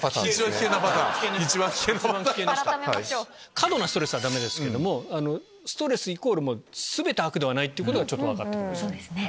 過度なストレスはダメですけどもストレスイコール全て悪ではないことがちょっと分かってきました。